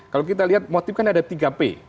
kalau kita lihat motif kan ada tiga p